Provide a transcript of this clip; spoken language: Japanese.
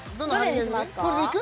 これでいく？